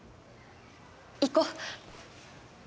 行こう。